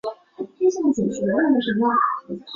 短茎隔距兰为兰科隔距兰属下的一个种。